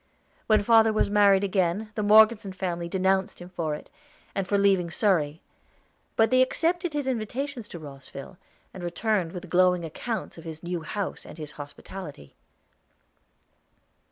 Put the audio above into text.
When father was married again, the Morgeson family denounced him for it, and for leaving Surrey; but they accepted his invitations to Rosville, and returned with glowing accounts of his new house and his hospitality.